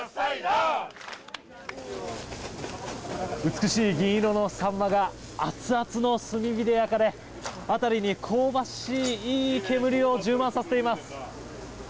美しい銀色のサンマが熱々の炭火で焼かれ辺りに香ばしいいい煙を充満させています。